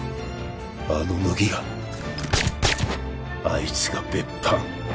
あの乃木があいつが別班？